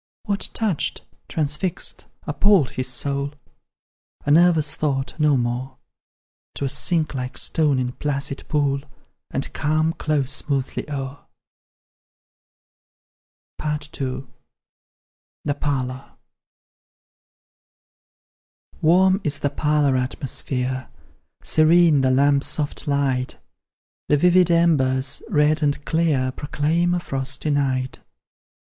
What touched, transfixed, appalled, his soul? A nervous thought, no more; 'Twill sink like stone in placid pool, And calm close smoothly o'er. II. THE PARLOUR. Warm is the parlour atmosphere, Serene the lamp's soft light; The vivid embers, red and clear, Proclaim a frosty night.